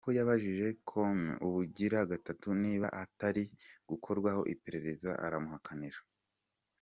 Yemera ko yabajije Comey ubugira gatatu niba atari gukorwaho iperereza, aramuhakanira.